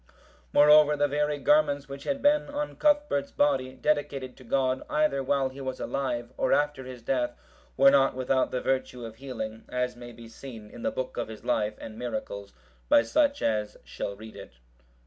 Moreover, the very garments which had been on Cuthbert's body, dedicated to God, either while he was alive, or after his death, were not without the virtue of healing, as may be seen in the book of his life and miracles, by such as shall read it.